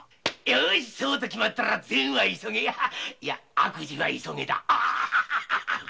よしそうと決まったら善は急げいや悪事は急げだ。